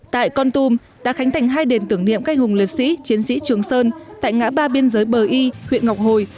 tại con tum đã khánh thành hai đền tưởng niệm canh hùng liệt sĩ chiến sĩ trường sơn tại ngã ba biên giới bờ y huyện ngọc hồi